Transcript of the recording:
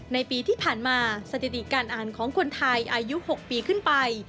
ในปีที่ผ่านมาสถิติการอ่านของคนไทยอายุ๖ปีขึ้นไป